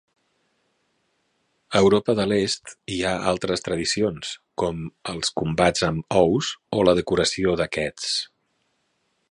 A Europa de l'Est, hi ha altres tradicions com els combats amb ous o la decoració d'aquests.